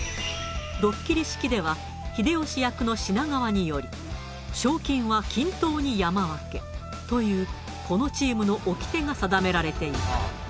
ドッキリ式では秀吉役の品川により賞金は均等に山分けというこのチームの掟が定められていた。